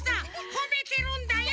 ほめてるんだよ！